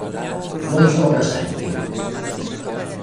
Non sono presenti.